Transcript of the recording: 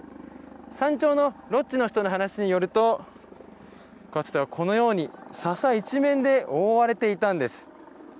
山頂のロッジの人の話によるとかつては、このように笹一面で覆われていたんです。